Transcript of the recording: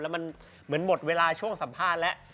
แล้วมันเหมือนหมดเวลาช่วงสัมภาษณ์แล้ว